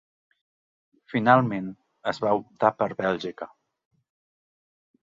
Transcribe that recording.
Finalment, es va optar per Bèlgica.